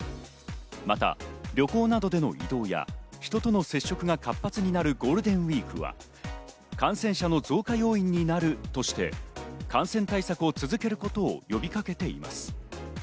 また旅行などでの移動や人との接触が活発になるゴールデンウイークは感染者の増加要因になるとして、感染対策を続けることを呼びかけています。